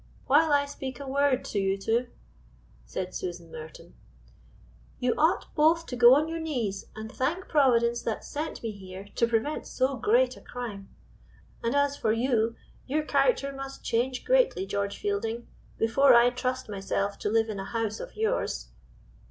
"While I speak a word to you two," said Susan Merton. "You ought both to go on your knees, and thank Providence that sent me here to prevent so great a crime; and as for you, your character must change greatly, George Fielding, before I trust myself to live in a house of yours."